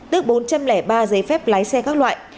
tước bốn trăm linh ba giấy phép lái xe các loại